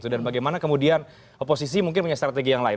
dan bagaimana kemudian oposisi mungkin punya strategi yang lain